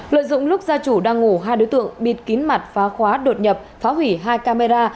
lợi dụng lúc gia chủ đang ngủ hai đối tượng bịt kín mặt phá khóa đột nhập phá hủy hai camera